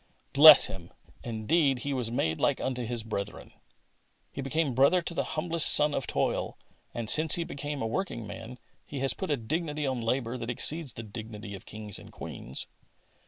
Bless Him ! Indeed, He was made like unto His brethren." He became brother to the humblest son of toil, and 'since He has been a working man. He has put a dignity on labour that exceeds the dignity of kings and queens.